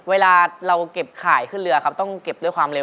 เวลาเราเก็บข่ายขึ้นเรือครับต้องเก็บด้วยความเร็